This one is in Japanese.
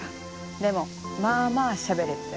でもまあまあしゃべれてたよ。